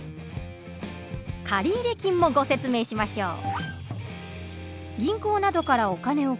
借入金もご説明しましょう。